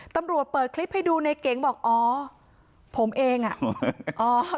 เปิดคลิปให้ดูในเก๋งบอกอ๋อผมเองอ่ะอ๋อ